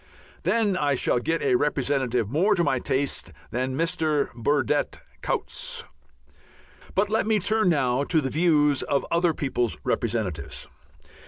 Then I shall get a representative more to my taste than Mr. Burdett Coutts. But let me turn now to the views of other people's representatives.